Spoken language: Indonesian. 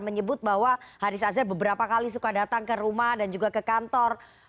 menyebut bahwa haris azhar beberapa kali suka datang ke rumah dan juga ke kantor